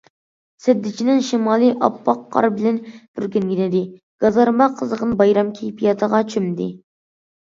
سەددىچىننىڭ شىمالى ئاپئاق قار بىلەن پۈركەنگەنىدى، گازارما قىزغىن بايرام كەيپىياتىغا چۆمدى.